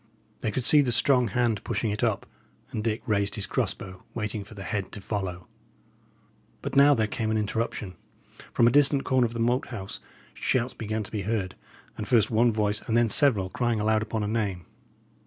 They could see the strong hand pushing it up; and Dick raised his cross bow, waiting for the head to follow. But now there came an interruption. From a distant corner of the Moat House shouts began to be heard, and first one voice, and then several, crying aloud upon a name.